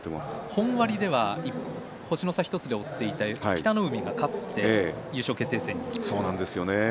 本割では１つ差で追っていた北の湖が勝って優勝決定戦に。